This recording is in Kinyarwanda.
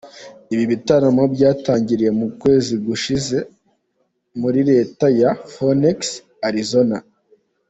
Ibi bitaramo byatangiriye mu kwezi gushize muri Leta ya Phoenix Arizona.